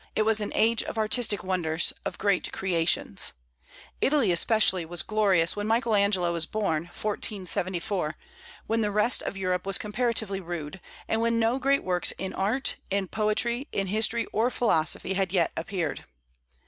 It was an age of artistic wonders, of great creations. Italy, especially, was glorious when Michael Angelo was born, 1474; when the rest of Europe was comparatively rude, and when no great works in art, in poetry, in history, or philosophy had yet appeared.